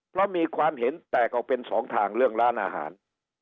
เพราะมีความเห็นแตกออกเป็นสองทางเรื่องร้านอาหาร